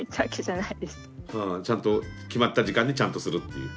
ちゃんと決まった時間にちゃんとするっていう。